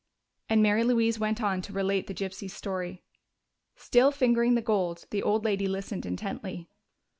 And Mary Louise went on to relate the gypsy's story. Still fingering the gold, the old lady listened intently.